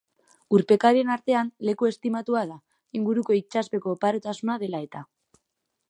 Urpekarien artean leku estimatua da, inguruko itsaspeko oparotasuna dela eta.